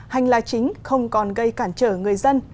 hành là chính không còn gây cản trở người dân